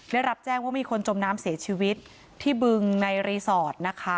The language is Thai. ได้รับแจ้งว่ามีคนจมน้ำเสียชีวิตที่บึงในรีสอร์ทนะคะ